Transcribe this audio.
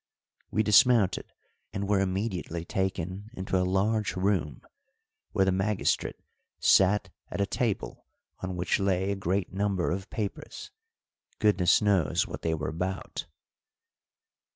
We dismounted, and were immediately taken into a large room, where the magistrate sat at a table on which lay a great number of papers goodness knows what they were about.